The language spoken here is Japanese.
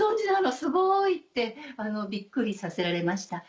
すごい」ってビックリさせられました。